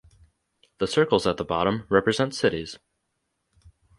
The circles at the bottom represent cities.